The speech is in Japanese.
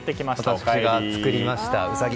私が作りましたウサギ。